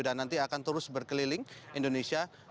dan nanti akan terus berkeliling indonesia